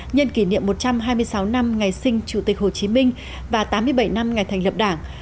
nhân kỷ niệm một trăm hai mươi sáu năm ngày sinh chủ tịch hồ chí minh và tám mươi bảy năm ngày thành lập đảng